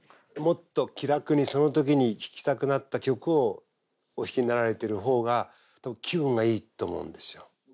もっと気楽にその時に弾きたくなった曲をお弾きになられてる方が多分気分がいいと思うんですよ。